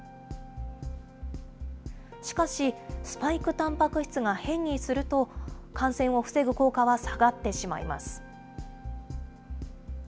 しかし、スパイクたんぱく質が変異すると、感染を防ぐ効果は下がってしまいます。